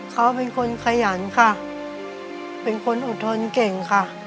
เขาเป็นคนขยันค่ะเป็นคนอดทนเก่งค่ะ